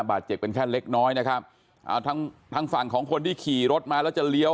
บาดเจ็บเป็นแค่เล็กน้อยนะครับเอาทั้งทางฝั่งของคนที่ขี่รถมาแล้วจะเลี้ยว